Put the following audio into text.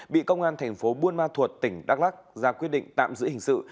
bị công an thành phố buôn ma thuột tỉnh đắk lắc ra quyết định tạm giữ hình sự